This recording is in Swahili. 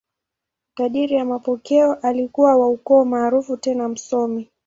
Kadiri ya mapokeo, alikuwa wa ukoo maarufu tena msomi.